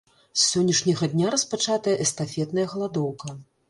З сённяшняга дня распачатая эстафетная галадоўка.